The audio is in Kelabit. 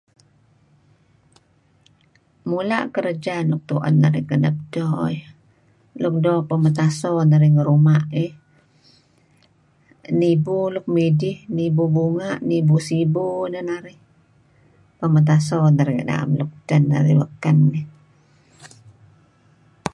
Mula' kereja nuk tu'en tu'en narih kenep edto iih. Nuk doo' pemetaso narih ngih ruma iih, nibu luk midih, nibu bunga', nibu sibu neh narih pemetaso narih nga' nem luk edten narih beken iih.